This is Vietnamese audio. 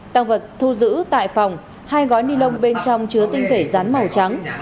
tăng vật thu giữ tại phòng hai gói ni lông bên trong chứa tinh thể rán màu trắng